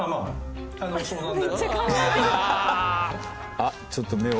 あっちょっと目を。